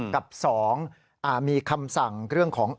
กับ๒มีคำสั่งเรื่องของ